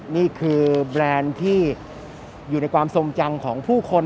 นี่คือแบรนด์ที่อยู่ในความทรงจำของผู้คน